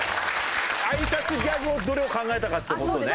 挨拶ギャグをどれを考えたかって事ね。